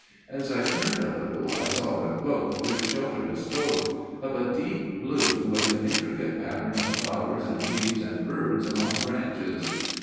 As I turned a little I saw the cloak which sheltered us both––of a deep blue, with an intricate pattern of flowers and leaves and birds among branches.